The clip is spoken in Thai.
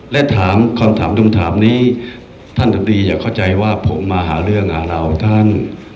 และถามคำถามตรงถามนี้ท่านธรรมดีอย่าเข้าใจว่าผมมาหาเรื่องเราท่าน